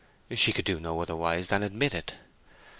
She could do no otherwise than admit it.